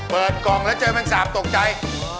เปิดกล่องแล้วเจอมันสาบตกใจ